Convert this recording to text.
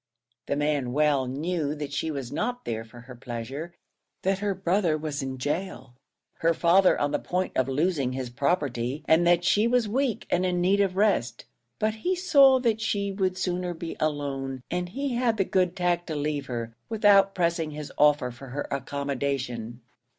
The man well knew that she was not there for her pleasure that her brother was in gaol, her father on the point of losing his property, and that she was weak and in need of rest; but he saw that she would sooner be alone, and he had the good tact to leave her, without pressing his offer for her accommodation.